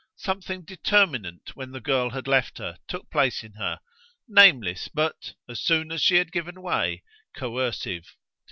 Something determinant, when the girl had left her, took place in her nameless but, as soon as she had given way, coercive.